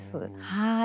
はい。